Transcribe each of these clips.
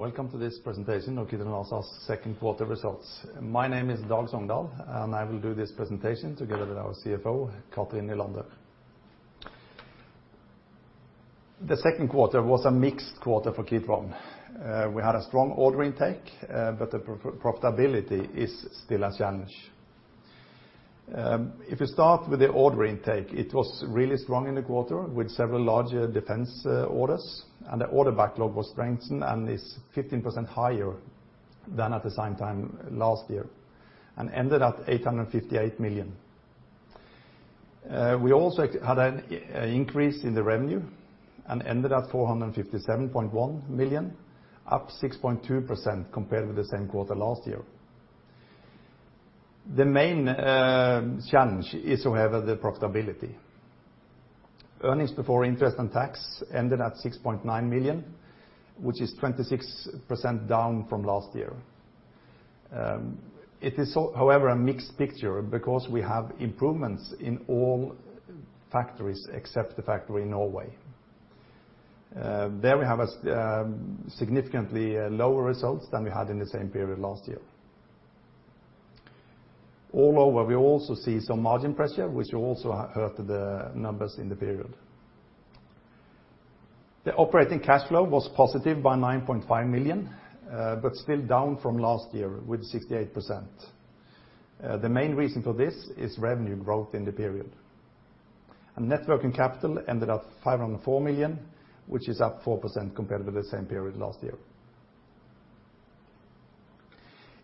Welcome to this presentation of Kitron ASA's Q2 results. My name is Dag Songedal. I will do this presentation together with our CFO, Cathrin Nylander. The Q2 was a mixed quarter for Kitron. We had a strong order intake, but the profitability is still a challenge. If you start with the order intake, it was really strong in the quarter with several larger defense orders. The order backlog was strengthened and is 15% higher than at the same time last year and ended at 858 million. We also had an increase in the revenue and ended at 457.1 million up 6.2% compared with the same quarter last year. The main challenge is, however, the profitability. Earnings before interest and tax ended at 6.9 million, which is 26% down from last year. It is however, a mixed picture because we have improvements in all factories except the factory in Norway. There we have a significantly lower results than we had in the same period last year. All over, we also see some margin pressure which also hurt the numbers in the period. The operating cash flow was positive by 9.5 million, but still down from last year with 68%. The main reason for this is revenue growth in the period. Net working capital ended at 504 million, which is up 4% compared with the same period last year.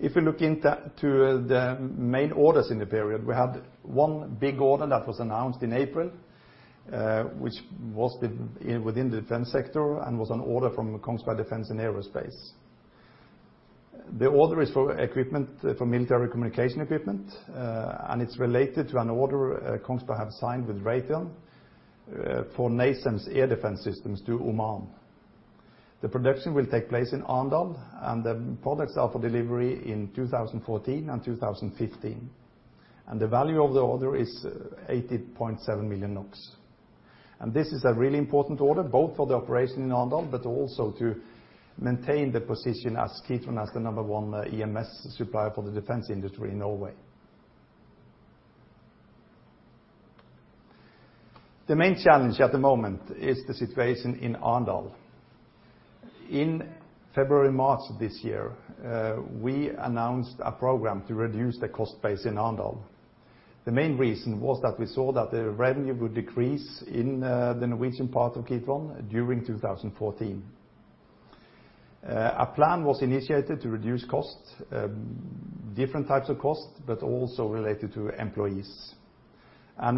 If you look into the main orders in the period, we had one big order that was announced in April, which was within the defense sector and was an order from Kongsberg Defence & Aerospace. The order is for equipment for military communication equipment, it's related to an order Kongsberg have signed with Raytheon, for NASAMS air defense systems to Oman. The production will take place in Arendal, the products are for delivery in 2014 and 2015, the value of the order is 80.7 million NOK. This is a really important order, both for the operation in Arendal, but also to maintain the position as Kitron as the number one EMS supplier for the defense industry in Norway. The main challenge at the moment is the situation in Arendal. In February and March this year, we announced a program to reduce the cost base in Arendal. The main reason was that we saw that the revenue would decrease in the Norwegian part of Kitron during 2014. A plan was initiated to reduce costs, different types of costs, but also related to employees.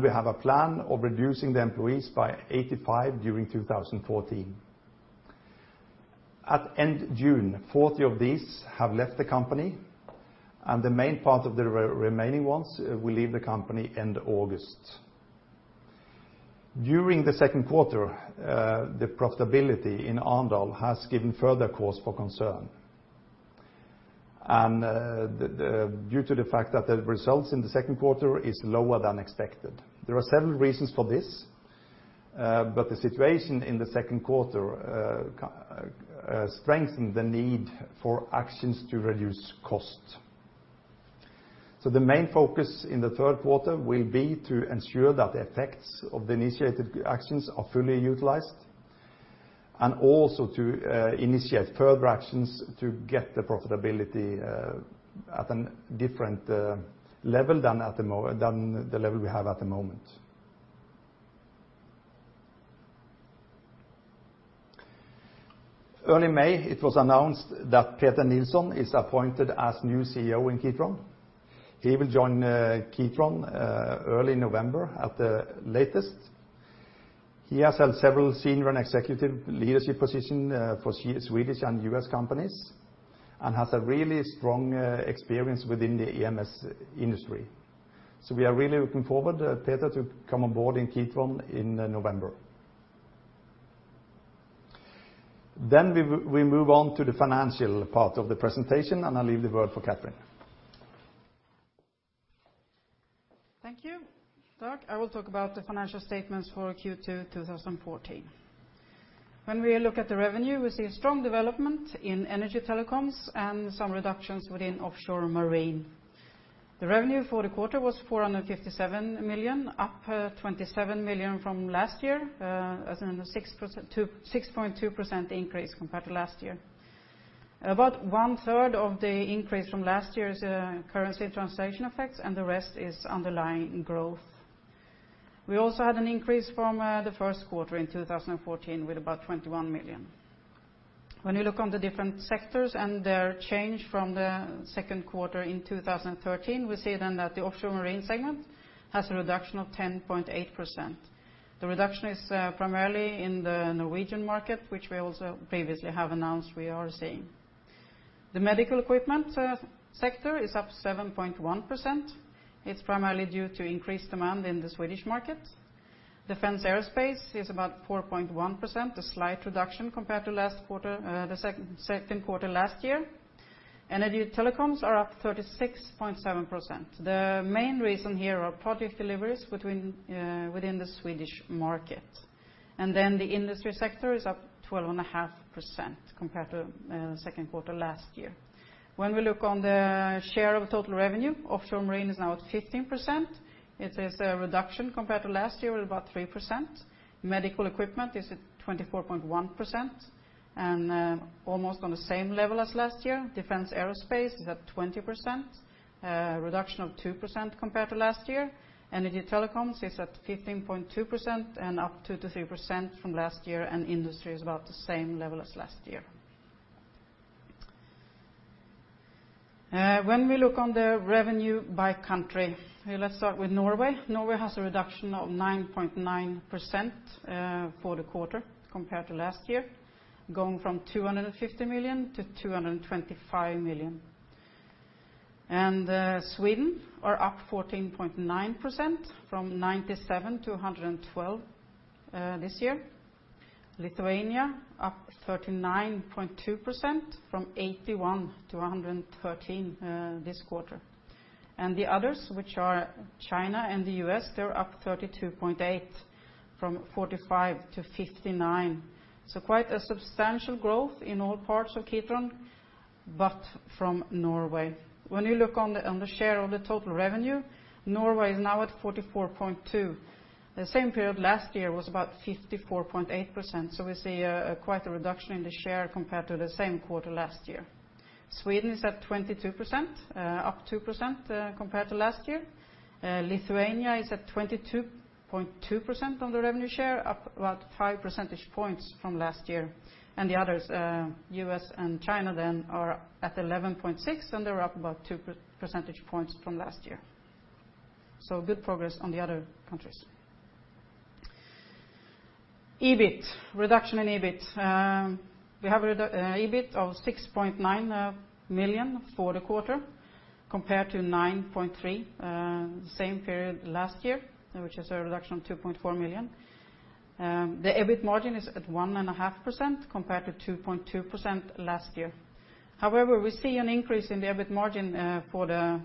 We have a plan of reducing the employees by 85 during 2014. At end June, 40 of these have left the company, and the main part of the remaining ones will leave the company end August. During the Q2, the profitability in Arendal has given further cause for concern and due to the fact that the results in the Q2 is lower than expected. There are several reasons for this, but the situation in the Q2 strengthen the need for actions to reduce cost. The main focus in the Q3 will be to ensure that the effects of the initiated actions are fully utilized, and also to initiate further actions to get the profitability at an different level than the level we have at the moment. Early May, it was announced that Peter Nilsson is appointed as new CEO in Kitron. He will join Kitron early November at the latest. He has had several senior and executive leadership position for Swedish and US companies and has a really strong experience within the EMS industry. We are really looking forward, Peter, to come on board in Kitron in November. We move on to the financial part of the presentation, and I leave the word for Cathrin. Thank you, Dag. I will talk about the financial statements for Q2 2014. When we look at the revenue, we see a strong development in energy telecoms and some reductions within offshore marine. The revenue for the quarter was 457 million, up 27 million from last year, as in a 6.2% increase compared to last year. About one-third of the increase from last year is currency translation effects, and the rest is underlying growth. We also had an increase from the Q1 in 2014 with about 21 million. When you look on the different sectors and their change from the Q2 in 2013, we see then that the offshore marine segment has a reduction of 10.8%. The reduction is primarily in the Norwegian market, which we also previously have announced we are seeing. The medical equipment sector is up 7.1%. It's primarily due to increased demand in the Swedish market. Defense aerospace is about 4.1%, a slight reduction compared to last quarter, the Q2 last year. Energy and telecoms are up 36.7%. The main reason here are project deliveries between within the Swedish market. The industry sector is up 12.5% compared to Q2 last year. When we look on the share of total revenue, offshore and marine is now at 15%. It is a reduction compared to last year with about 3%. Medical equipment is at 24.1% and almost on the same level as last year. Defense aerospace is at 20%, a reduction of 2% compared to last year. Energy and telecoms is at 15.2% and up 2%-3% from last year, and industry is about the same level as last year. When we look on the revenue by country, let's start with Norway. Norway has a reduction of 9.9% for the quarter compared to last year, going from 250 million to 225 million. Sweden are up 14.9% from 97 million to 112 million this year. Lithuania up 39.2% from 81 million to 113 million this quarter. The others, which are China and the U.S., they're up 32.8% from 45 million to 59 million. Quite a substantial growth in all parts of Kitron, but from Norway. When you look on the share of the total revenue, Norway is now at 44.2%. The same period last year was about 54.8%, so we see quite a reduction in the share compared to the same quarter last year. Sweden is at 22%, up 2% compared to last year. Lithuania is at 22.2% on the revenue share, up about 5 percentage points from last year. The others, US and China then are at 11.6%, and they're up about two percentage points from last year. Good progress on the other countries. EBIT. Reduction in EBIT. We have a EBIT of 6.9 million for the quarter compared to 9.3 million same period last year, which is a reduction of 2.4 million. The EBIT margin is at 1.5% compared to 2.2% last year. However, we see an increase in the EBIT margin for the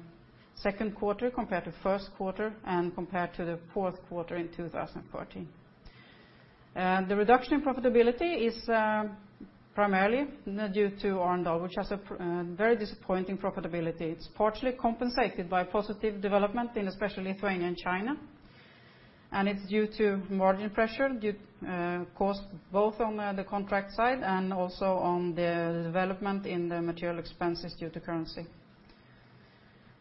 Q2 compared to Q1 and compared to the Q4 in 2014. The reduction in profitability is primarily due to Arendal, which has a very disappointing profitability. It's partially compensated by positive development in especially Lithuania and China, and it's due to margin pressure due cost both on the contract side and also on the development in the material expenses due to currency.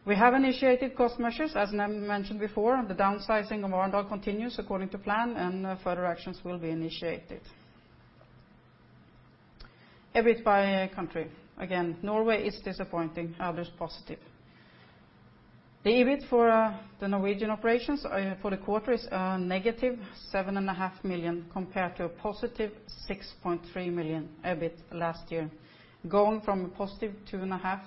We have initiated cost measures. As mentioned before, the downsizing of Arendal continues according to plan, and further actions will be initiated. EBIT by country. Again, Norway is disappointing, others positive. The EBIT for the Norwegian operations for the quarter is negative 7.5 million compared to a positive 6.3 million EBIT last year, going from a positive 2.5%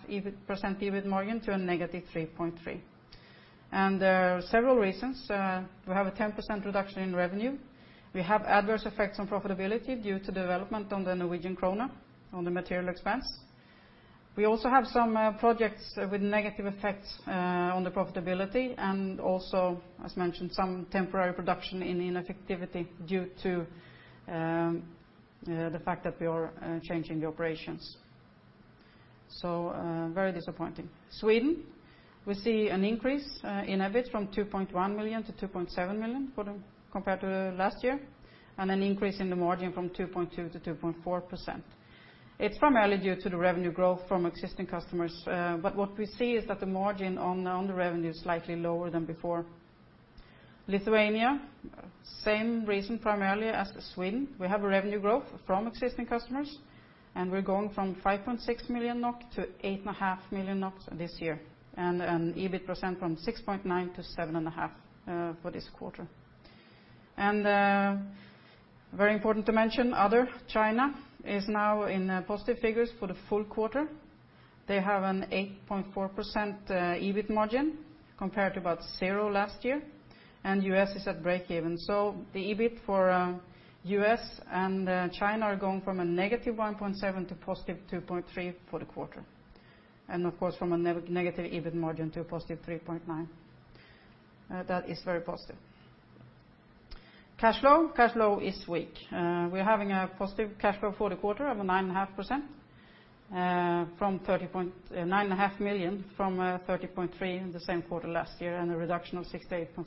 EBIT margin to a negative 3.3%. There are several reasons. We have a 10% reduction in revenue. We have adverse effects on profitability due to development on the Norwegian kroner on the material expense. We also have some projects with negative effects on the profitability and also, as mentioned, some temporary reduction in ineffectivity due to the fact that we are changing the operations. Very disappointing. Sweden, we see an increase in EBIT from 2.1 million to 2.7 million compared to last year and an increase in the margin from 2.2%-2.4%. It's primarily due to the revenue growth from existing customers, but what we see is that the margin on the revenue is slightly lower than before. Lithuania, same reason primarily as Sweden. We have a revenue growth from existing customers, and we're going from 5.6 million NOK to 8.5 million NOK this year and an EBIT % from 6.9%-7.5% for this quarter. Very important to mention, other, China, is now in positive figures for the full quarter. They have an 8.4% EBIT margin compared to about 0 last year, and US is at break even. The EBIT for US and China are going from a -1.7% to +2.3% for the quarter. Of course, from a negative EBIT margin to a positive 3.9%. That is very positive. Cash flow. Cash flow is weak. We're having a positive cash flow for the quarter of a 9.5%, from 9.5 million from 30.3 million in the same quarter last year and a reduction of 68.6%.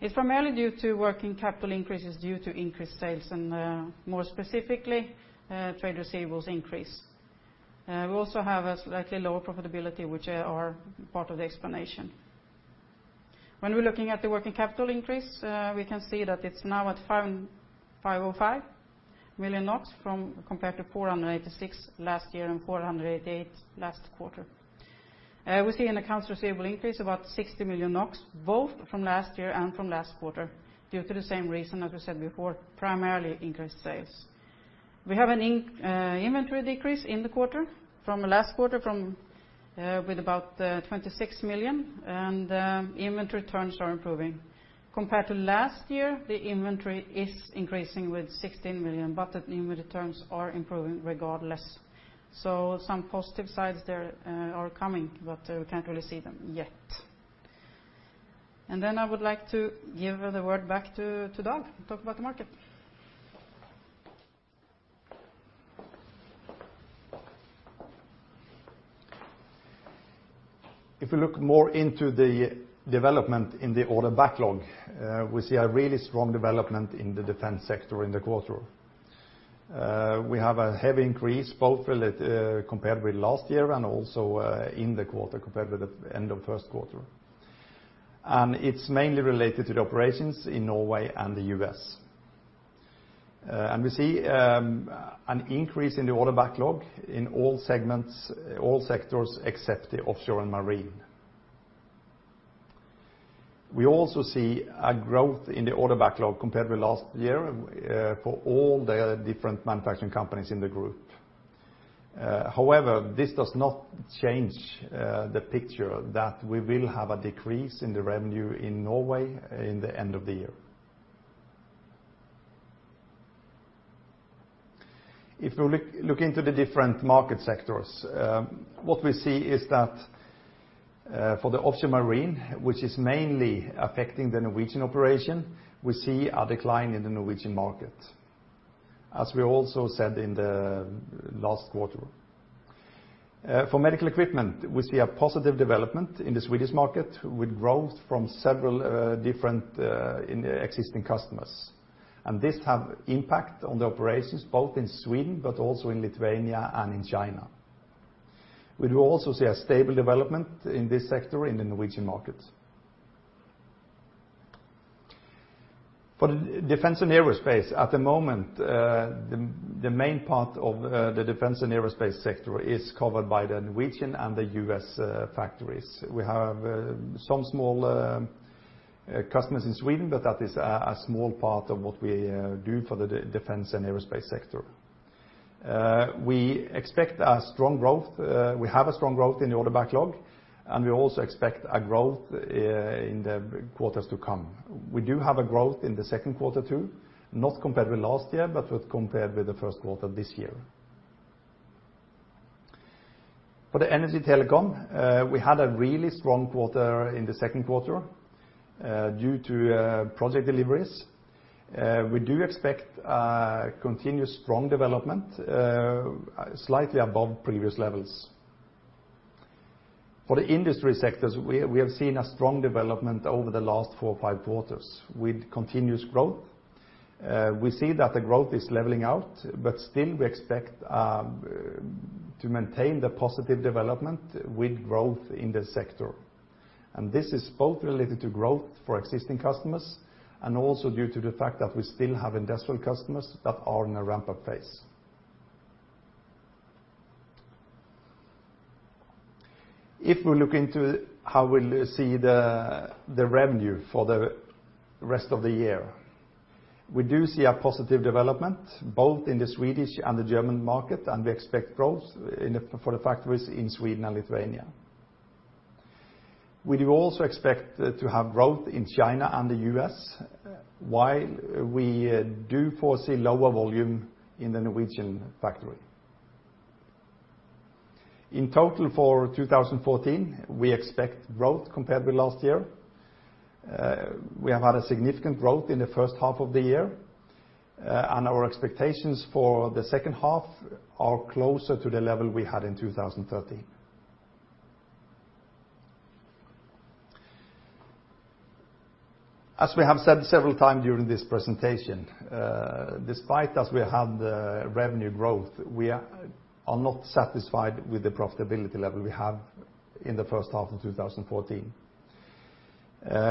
It's primarily due to working capital increases due to increased sales and, more specifically, trade receivables increase. We also have a slightly lower profitability, which are part of the explanation. When we're looking at the working capital increase, we can see that it's now at 505 million NOK from, compared to 486 last year and 488 last quarter. We see an accounts receivable increase about 60 million NOK both from last year and from last quarter due to the same reason as we said before, primarily increased sales. We have an inventory decrease in the quarter from the last quarter with about 26 million, and inventory terms are improving. Compared to last year, the inventory is increasing with 16 million, the inventory terms are improving regardless. Some positive sides there are coming, but we can't really see them yet. I would like to give the word back to Dag to talk about the market. If you look more into the development in the order backlog, we see a really strong development in the defense sector in the quarter. We have a heavy increase, both really, compared with last year and also, in the quarter compared with the end of Q1. It's mainly related to the operations in Norway and the U.S. We see an increase in the order backlog in all segments, all sectors except the offshore and marine. We also see a growth in the order backlog compared with last year, for all the different manufacturing companies in the group. However, this does not change the picture that we will have a decrease in the revenue in Norway in the end of the year. If we look into the different market sectors, what we see is that for the offshore marine, which is mainly affecting the Norwegian operation, we see a decline in the Norwegian market, as we also said in the last quarter. For medical equipment, we see a positive development in the Swedish market with growth from several different existing customers. This have impact on the operations both in Sweden but also in Lithuania and in China. We do also see a stable development in this sector in the Norwegian market. For defense and aerospace, at the moment, the main part of the defense and aerospace sector is covered by the Norwegian and the U.S. factories. We have some small customers in Sweden, but that is a small part of what we do for the defense and aerospace sector. We expect a strong growth. We have a strong growth in the order backlog, and we also expect a growth in the quarters to come. We do have a growth in the Q2 too, not compared with last year, but compared with the Q1 this year. For the energy telecom, we had a really strong quarter in the Q2 due to project deliveries. We do expect a continuous strong development, slightly above previous levels. For the industry sectors, we have seen a strong development over the last four or five quarters with continuous growth. We see that the growth is leveling out, but still we expect to maintain the positive development with growth in the sector. This is both related to growth for existing customers and also due to the fact that we still have industrial customers that are in a ramp-up phase. If we look into how we'll see the revenue for the rest of the year, we do see a positive development both in the Swedish and the German market, and we expect growth for the factories in Sweden and Lithuania. We do also expect to have growth in China and the U.S., while we do foresee lower volume in the Norwegian factory. In total for 2014, we expect growth compared with last year. We have had a significant growth in the first half of the year. Our expectations for the second half are closer to the level we had in 2013. As we have said several times during this presentation, despite us we have the revenue growth, we are not satisfied with the profitability level we have in the first half of 2014.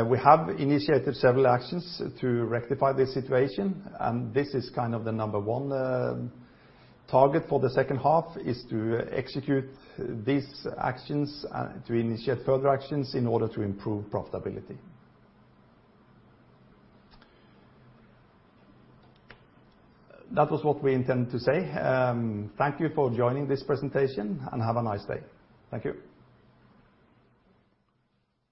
We have initiated several actions to rectify this situation. This is kind of the number one target for the second half is to execute these actions and to initiate further actions in order to improve profitability. That was what we intend to say. Thank you for joining this presentation. Have a nice day. Thank you.